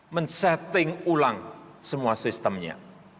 men setting ulang semua sistemnya